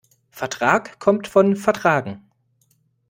Vertrag kommt von vertragen.